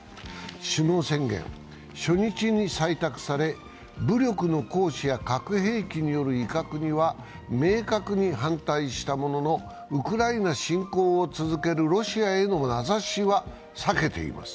首脳宣言、初日に採択され、武力の行使や核兵器による威嚇には明確に反対したもののウクライナ侵攻を続けるロシアへの名指しは避けています。